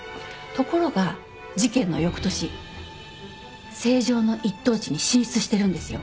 ところが事件の翌年成城の一等地に進出してるんですよ。